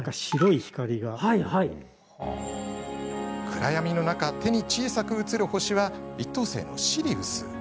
暗闇の中、手に小さく映る星は１等星のシリウス。